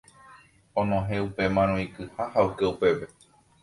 Onohẽ upémarõ ikyha ha oke upépe.